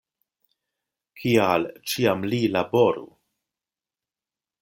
Kial ĉiam li laboru!